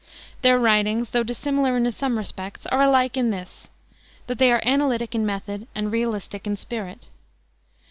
Their writings, though dissimilar in some respects, are alike in this, that they are analytic in method and realistic in spirit.